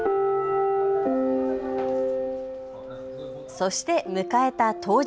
そして迎えた当日。